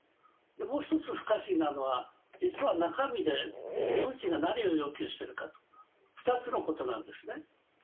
もう一つ不可思議なのは、実は中身で、プーチンが何を要求しているか、２つのことなんですね。